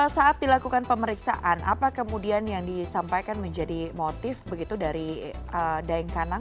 saat dilakukan pemeriksaan apa kemudian yang disampaikan menjadi motif begitu dari daeng kanang